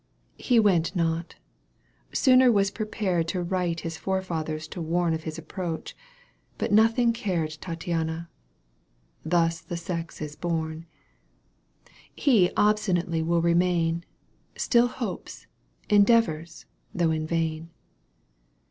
He went not — sooner was prepared To write his forefathers to warn Of his approach ; but nothing cared Tattiana — ^thus the sex is born. — He obstinately will remain. Still hopes, endeavours, though in vain.